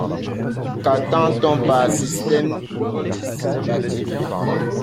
Qu'entend-t-on par système dissipatif?